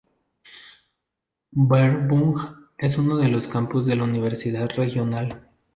Bernburg es uno de los campus de la universidad regional.